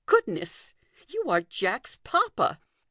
Goodness ! You are Jack's papa